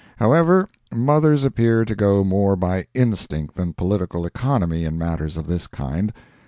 However, mothers appear to go more by instinct than political economy in matters of this kind.